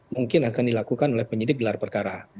mungkin akan dilakukan oleh penyidik gelar perkara